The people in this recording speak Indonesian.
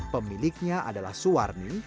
pemiliknya adalah suwarni